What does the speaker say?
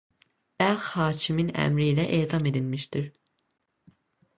Bəlx hakiminin əmri ilə edam edilmişdir.